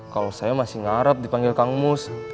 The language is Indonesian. kalau saya masih ngarep dipanggil kang mus